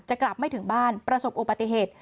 กลับไม่ถึงบ้านประสบอุบัติเหตุ